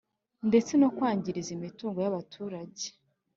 ndetse no kwangiza imitungo yabaturage